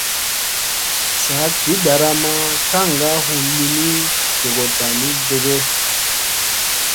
Saa gi ɗaramma kaŋga hu limi jogoɗta ni gege ?